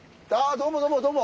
どうもどうもどうも！